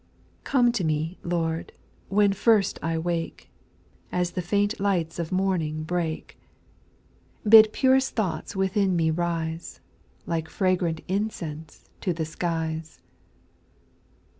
/^OME to me, Lord, when first I wake, \j As the faint lights of morning break ; SPIRITUAL SONOS. 331 Bid purest thoughts within me rise, Like fragrant incense to the skies.